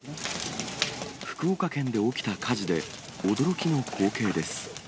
福岡県で起きた火事で、驚きの光景です。